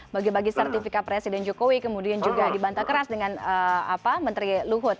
bagi bagi sertifikat presiden jokowi kemudian juga dibantah keras dengan menteri luhut